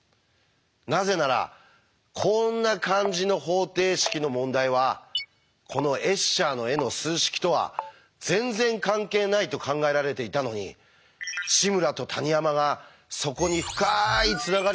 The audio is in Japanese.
なぜならこんな感じの方程式の問題はこのエッシャーの絵の数式とは全然関係ないと考えられていたのに志村と谷山がそこに深いつながりを発見したんですから！